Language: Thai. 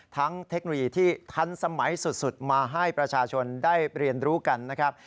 เทคโนโลยีที่ทันสมัยสุดมาให้ประชาชนได้เรียนรู้กันนะครับ